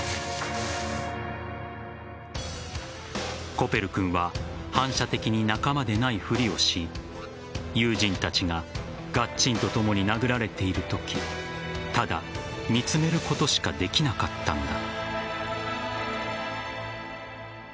コペル君は反射的に仲間でないふりをし友人たちがガッチンとともに殴られているときただ見つめることしかできなかったのだ。